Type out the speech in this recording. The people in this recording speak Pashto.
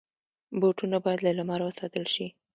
بوټونه باید له لمره وساتل شي.